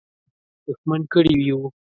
دښمن کړي یو.